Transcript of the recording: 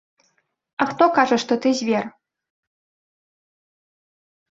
А хто кажа, што ты звер?